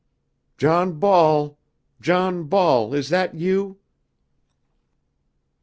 "John Ball! John Ball, is that you?"